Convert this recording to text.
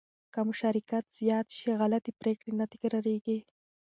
که مشارکت زیات شي، غلطې پرېکړې نه تکرارېږي.